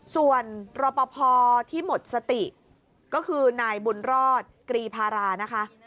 ส่วนรอปภที่หมดสติก็คือนายบุญรอดกรีพารานะคะ